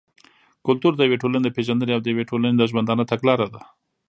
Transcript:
کلتور د يوې ټولني د پېژندني او د يوې ټولني د ژوندانه تګلاره ده.